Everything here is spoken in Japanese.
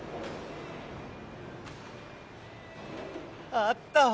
あったわ！